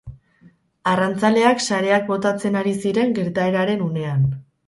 Arrantzaleak sareak botatzen ari ziren gertaeraren unean.